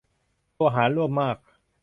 ตัวหารร่วมมาก